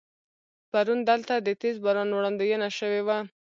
پرون دلته د تیز باران وړاندوينه شوې وه.